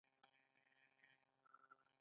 د دلیل یې نوی عصر دی.